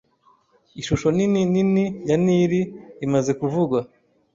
ishusho nini nini ya Nili imaze kuvugwa